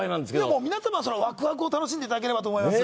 もう皆さまはワクワクを楽しんでいただければと思います